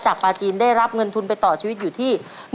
ปลาจีนได้รับเงินทุนไปต่อชีวิตอยู่ที่